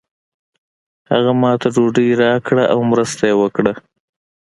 هغه ماته ډوډۍ راکړه او مرسته یې وکړه.